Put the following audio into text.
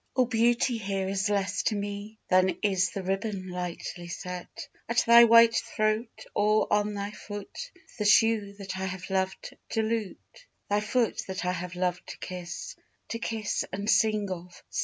All beauty here is less to me Than is the ribbon lightly set At thy white throat; or, on thy foot, The shoe that I have loved to lute. Thy foot, that I have loved to kiss; To kiss and sing of!